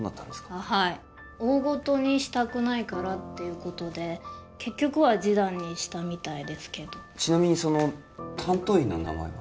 あッはい大ごとにしたくないからってことで結局は示談にしたみたいですけどちなみにその担当医の名前は？